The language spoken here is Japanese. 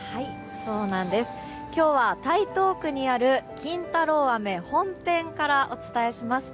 今日は台東区にある金太郎飴本店からお伝えします。